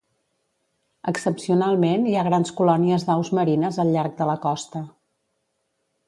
Excepcionalment hi ha grans colònies d'aus marines al llarg de la costa.